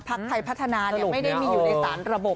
ไทยพัฒนาไม่ได้มีอยู่ในสารระบบ